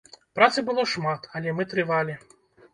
Працы было шмат, але мы трывалі.